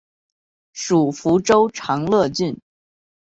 属福州长乐郡。